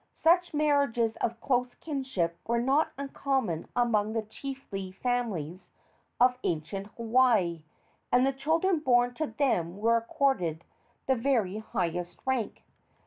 Such marriages of close kinship were not uncommon among the chiefly families of ancient Hawaii, and the children born to them were accorded the very highest rank.